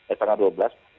eh setengah dua belas